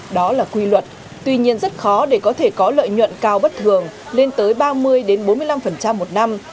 đó là quy luật tuy nhiên rất khó để có thể có lợi nhuận cao bất thường lên tới ba mươi bốn mươi năm một năm